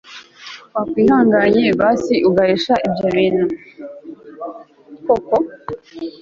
wakwihanganye basi ugahisha ibyo bintu koko